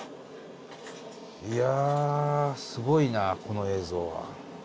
いやすごいなこの映像は。